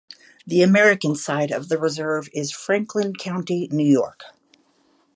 The American side of the Reserve is Franklin County, New York.